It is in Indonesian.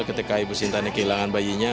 ketika ibu sinta ini kehilangan bayinya